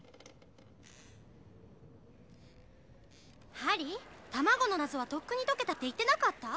ハリー卵の謎はとっくに解けたって言ってなかった？